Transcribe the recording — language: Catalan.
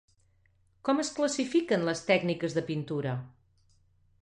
Com es classifiquen les tècniques de pintura?